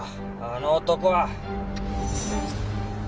あの男は！